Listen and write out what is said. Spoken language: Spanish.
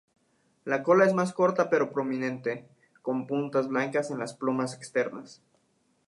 La cola más es corta pero prominente, con puntas blancas en las plumas externas.